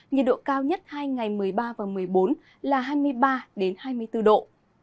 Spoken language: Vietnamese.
nhiệt độ cao nhất hai ngày một mươi ba và một mươi bốn là hai mươi ba hai mươi bốn độ